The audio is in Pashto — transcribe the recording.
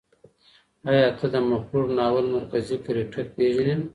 آیا ته د مفرور ناول مرکزي کرکټر پېژنې؟